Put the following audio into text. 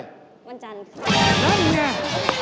วันจันทร์ค่ะ